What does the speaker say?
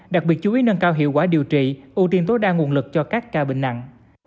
đặc biệt chú ý nâng cao hiệu quả điều trị ưu tiên tối đa nguồn lực cho các ca bệnh nặng